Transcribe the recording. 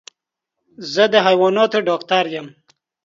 زه د حيواناتو ډاکټر يم.